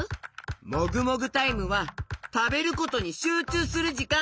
もぐもぐタイムはたべることにしゅうちゅうするじかん！